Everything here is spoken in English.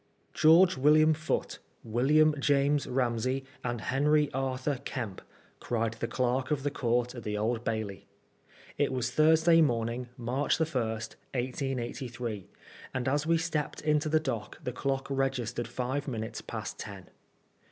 " Gborgb William Foote, William James Ramsey, and Henry Arthur Kemp," cried the Clerk of the Court at the Old Bailey. It was Thursday morning, March 1, 1883, and as we stepped into the dock the clock registered five minutes past ten.